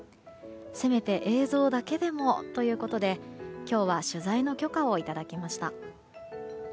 せめて映像だけでもということで今日は取材の許可をいただきました。